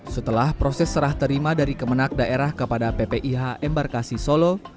setelah proses serah terima dari kemenak daerah kepada ppih embarkasi solo